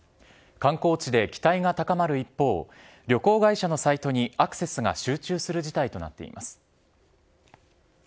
観光地で、期待が高まる一方、旅行会社のサイトにアクセスが集中する事態となっています。